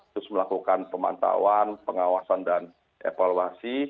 terus melakukan pemantauan pengawasan dan evaluasi